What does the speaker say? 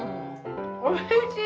おいしい。